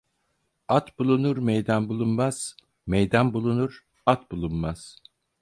At bulunur meydan bulunmaz, meydan bulunur at bulunmaz.